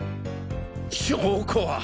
証拠は？